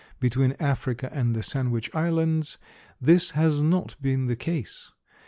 Between Africa and the Sandwich Islands this has not been the case.